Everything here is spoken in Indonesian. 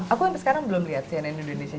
aku sampai sekarang belum lihat cnn indonesia